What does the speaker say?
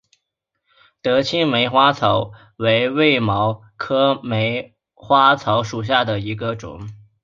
德钦梅花草为卫矛科梅花草属下的一个种。